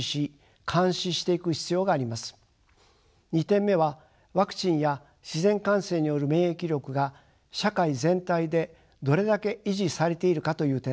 ２点目はワクチンや自然感染による免疫力が社会全体でどれだけ維持されているかという点です。